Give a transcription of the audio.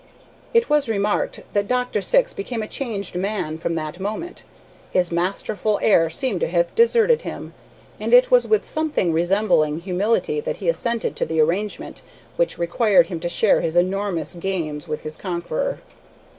It was remarked that Dr. Syx became a changed man from that moment. His masterful air seemed to have deserted him, and it was with something resembling humility that he assented to the arrangement which required him to share his enormous gains with his conqueror.